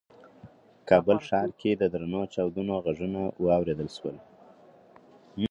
کابل ښار کې د درنو چاودنو غږونه واورېدل شول.